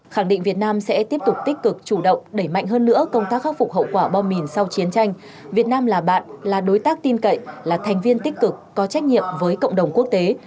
khẳng định việt nam sẽ tiếp tục tích cực chủ động đẩy mạnh hơn nữa công tác khắc phục hậu quả bom mìn sau chiến tranh việt nam là bạn là đối tác tin cậy là thành viên tích cực có trách nhiệm với cộng đồng quốc tế